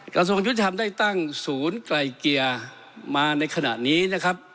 กระทรวงยุติธรรมได้ตั้งศูนย์ไกลเกลี่ยมาในขณะนี้นะครับ